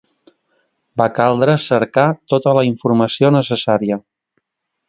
Va caldre cercar tota la informació necessària.